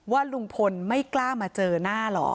ว่าลุงพลไม่กล้ามาเจอหน้าหรอ